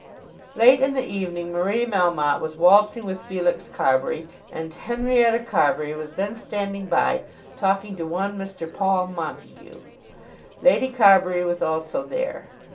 Late in the evening Marie Melmotte was waltzing with Felix Carbury, and Henrietta Carbury was then standing by talking to one Mr. Paul Montague. Lady Carbury was also there.